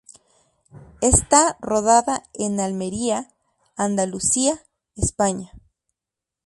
Está rodada en Almería, Andalucía, España.